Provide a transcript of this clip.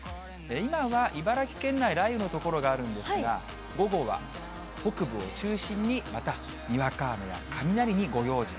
今は茨城県内、雷雨の所があるんですが、午後は北部を中心にまたにわか雨や雷にご用心。